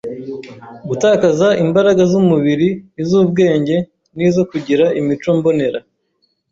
gutakaza imbaraga z’umubiri, iz’ubwenge n’izo kugira imico mbonera